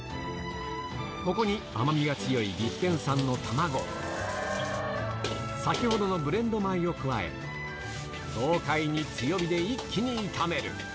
ここに甘みが強い岐阜県産の卵、先ほどのブレンド米を加え、豪快に強火で一気に炒める。